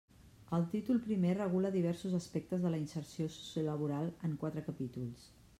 El títol primer regula diversos aspectes de la inserció sociolaboral en quatre capítols.